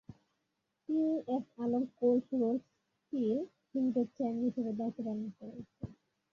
তিনি S Alam cold rolled steel লিমিটেডের chairman হিসেবেও দায়িত্ব পালন করছেন।